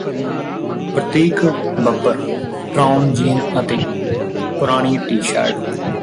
ਪ੍ਰਤੀਕ ਬੱਬਰ ਟਰੌਨ ਜੀਨ ਅਤੇ ਪੁਰਾਣੀ ਟੀ ਸ਼ਰਟ